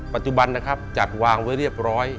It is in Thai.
ปัจจุบันจัดวางไว้เรียบร้อย